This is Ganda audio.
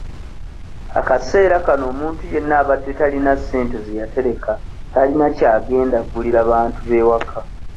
Akaseera kano omuntu yenna abadde talina ssente ze yatereka tayina ky'agenda gulira bantu b'ewaka.